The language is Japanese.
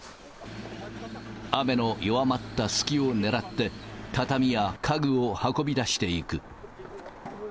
雨の弱まった隙を狙って、畳や家具を運び出していく。